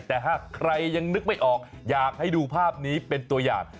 แต่ถ้าใครยังนึกไม่ออกอยากให้ดูภาพนี้เป็นตัวอย่าง